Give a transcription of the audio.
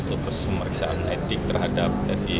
atau proses pemeriksaan etik terhadap